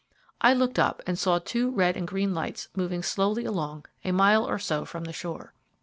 I looked up and saw two red and green lights moving slowly along a mile or so from the shore.